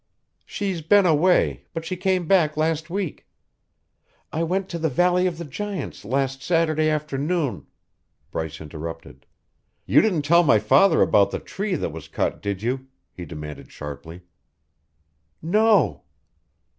"She's been away, but she came back last week. I went to the Valley of the Giants last Saturday afternoon " Bryce interrupted. "You didn't tell my father about the tree that was cut, did you?" he demanded sharply. "No."